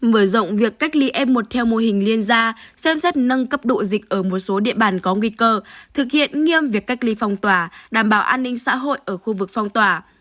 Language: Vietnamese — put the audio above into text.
mở rộng việc cách ly f một theo mô hình liên gia xem xét nâng cấp độ dịch ở một số địa bàn có nguy cơ thực hiện nghiêm việc cách ly phong tỏa đảm bảo an ninh xã hội ở khu vực phong tỏa